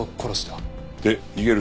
で逃げる